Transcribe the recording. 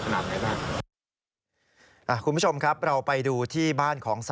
เราไม่ได้ทำความผิดอะไรอีกมันไม่เกี่ยวกับน้องอีก